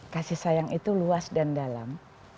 kasih sayang itu luas dan dalam